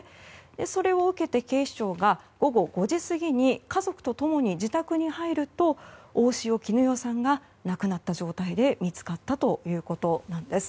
それを受けて、警視庁が午後５時過ぎに家族と共に自宅に入ると大塩衣與さんが亡くなった状態で見つかったということなんです。